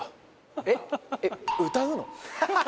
えっえっ歌うの！？